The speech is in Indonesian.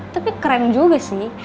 tapi keren juga sih